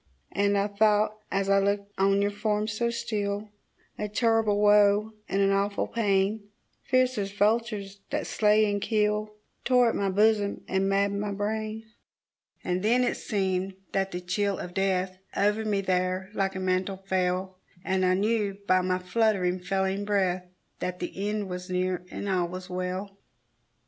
And I thought as I looked on your form so still, A terrible woe, and an awful pain, Fierce as vultures that slay and kill, Tore at my bosom and maddened my brain. And then it seemed that the chill of death Over me there like a mantle fell, And I knew by my fluttering, failing breath That the end was near, and all was well.